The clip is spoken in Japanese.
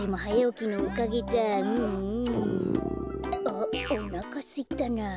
あっおなかすいたなあ。